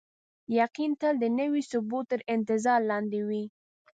یقین تل د نوي ثبوت تر انتظار لاندې وي.